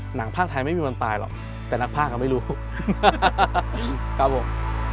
หนังภาคไทยไม่มีวันตายหรอกแต่นักภาคก็ไม่รู้ครับผม